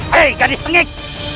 hei gadis tengik